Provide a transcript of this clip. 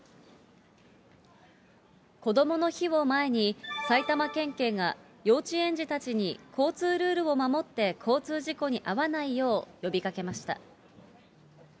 こどもの日を前に、埼玉県警が、幼稚園児たちに、交通ルールを守って交通事故に遭わないよう呼びかけました。